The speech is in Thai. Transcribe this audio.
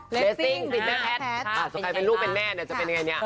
เลสซิ่งเป็นแม่แพทย์ส่วนใครเป็นลูกเป็นแม่เนี่ยจะเป็นยังไงเนี่ย